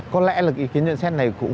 có lẽ là ý kiến nhận xét này cũng